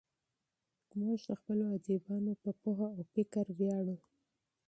موږ د خپلو ادیبانو په پوهه او فکر ویاړو.